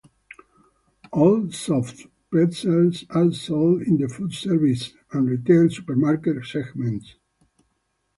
All soft pretzels are sold in the Food Service and Retail Supermarket segments.